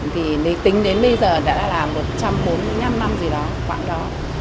thì tính đến bây giờ đã là một trăm bốn mươi năm năm gì đó khoảng đó